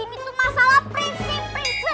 masa iya seseorang prinsip di titik titik